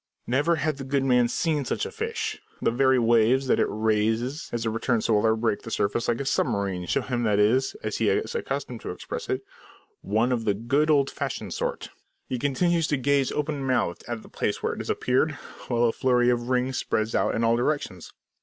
Never had the good man seen such a fish! The very waves that it raises as it returns to the water, breaking the surface like a submarine, show him that it is as he is accustomed to express it "one of the good old fashioned sort." He continues to gaze open mouthed at the place where it disappeared, while a flurry of rings spreads out in all directions.